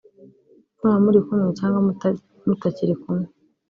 mwaba muri kumwe cyangwa mutakiri kumwe